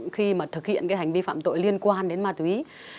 khi mà thực hiện cái hành vi phạm tội liên quan đến ma túy